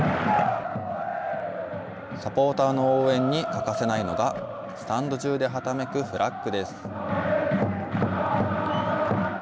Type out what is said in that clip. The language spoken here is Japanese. サポーターの応援に欠かせないのが、スタンド中ではためくフラッグです。